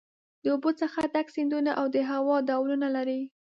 د اوبو څخه ډک سیندونه او د هوا ډولونه لري.